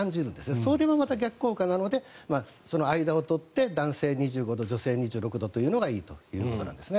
それも逆効果なのでその間を取って男性２５度女性２６度がいいということです。